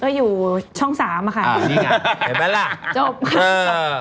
ก็อยู่ช่อง๓อ่ะค่ะจบไม่เป็นแล้ว